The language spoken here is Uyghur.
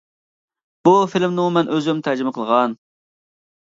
بۇ فىلىمنىمۇ مەن ئۆزۈم تەرجىمە قىلغان.